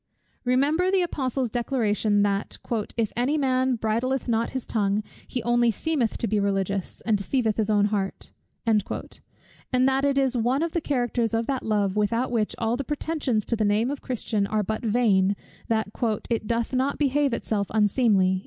Remember the Apostle's declaration, that "if any man bridleth not his tongue, he only seemeth to be religious, and deceiveth his own heart;" and that it is one of the characters of that love, without which all pretensions to the name of Christian are but vain, that "it doth not behave itself unseemly."